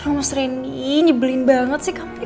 mas reni nyebelin banget sih